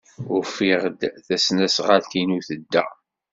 Ufiɣ-d tasnasɣalt-inu tedda.